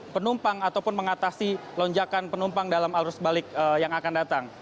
penumpang ataupun mengatasi lonjakan penumpang dalam arus balik yang akan datang